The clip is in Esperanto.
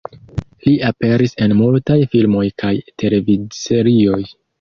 Li aperis en multaj filmoj kaj televidserioj.